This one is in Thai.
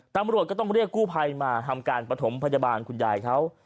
ตำรวจก็ต้องเรียกกู้ภัยมาทำการประถมพยาบาลคุณยายเขา